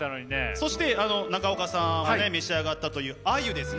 そして中岡さんはね召し上がったという鮎ですね。